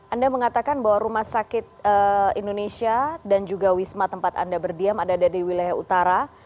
anda mengatakan bahwa rumah sakit indonesia dan juga wisma tempat anda berdiam ada di wilayah utara